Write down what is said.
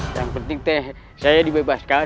yang penting saya dibebaskan